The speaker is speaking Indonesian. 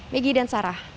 migi dan sarah